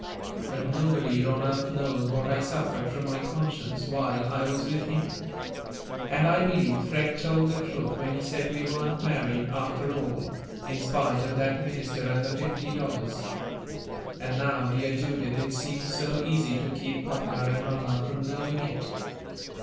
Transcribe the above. But nobody on earth knows what I suffered from my conscience while I was with him! And I believe Freke told the truth when he said we weren't married, after all, in spite of that minister and the fifty dollars. And now, dear Judith, it seems so easy to keep papa and mamma from knowing it."